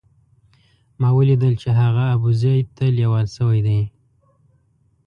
ما ولیدل چې هغه ابوزید ته لېوال شوی دی.